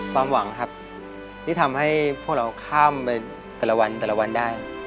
ความหวังครับที่ทำให้พวกเราข้ามไปแต่ละวันแต่ละวันได้